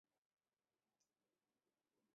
东西伯利亚海和南面的西伯利亚之间。